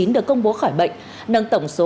được công bố khỏi bệnh nâng tổng số